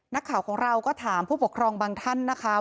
นักข่าวของเราก็ถามผู้ปกครองบางท่านนะคะ